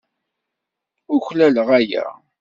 Uklaleɣ aya.